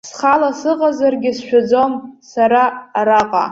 Схала сыҟазаргьы сшәаӡом сара араҟа.